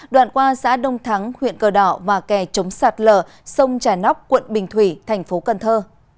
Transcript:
đoạn qua xã đông thắng huyện cờ đỏ và kè chống sạt lở sông trải nóc quận bình thủy thành phố cần thơ